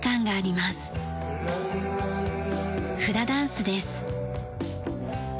フラダンスです。